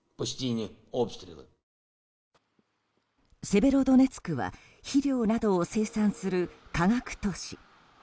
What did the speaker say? セベロドネツクは肥料などを生産する科学都市。